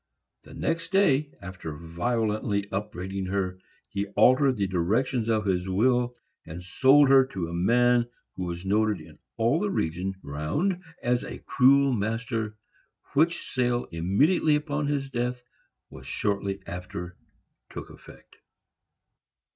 The next day, after violently upbraiding her, he altered the directions of his will, and sold her to a man who was noted in all the region round as a cruel master, which sale, immediately on his death, which was shortly after, took effect.